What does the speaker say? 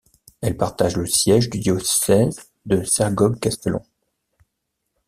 Elle partage le siège du diocèse de Segorbe-Castellón.